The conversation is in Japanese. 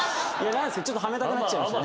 ちょっとはめたくなっちゃいました。